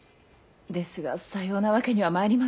ですがさようなわけにはまいりませぬ。